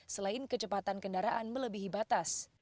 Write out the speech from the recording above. selain kecepatan kendaraan melebihi batas